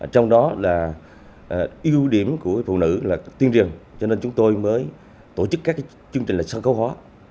trong đó là ưu điểm của phụ nữ là tuyên truyền cho nên chúng tôi mới tổ chức các chương trình lịch sân khấu hóa